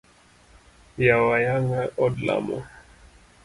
Yawo ayanga od lamo.